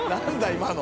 今の。